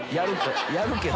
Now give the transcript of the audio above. やるけど。